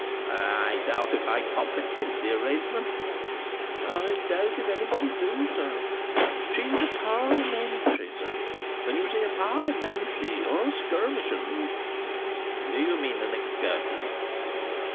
"I doubt if I comprehend the arrangement." "I doubt if anybody do, sir. She's a Parliamentary, sir. And, you see, a Parliamentary, or a Skirmishun—" "Do you mean an Excursion?"